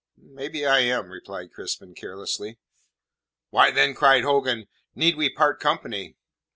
"Maybe I am," replied Crispin carelessly. "Why, then," cried Hogan, "need we part company?"